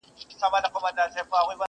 چي تر پامه دي جهان جانان جانان سي.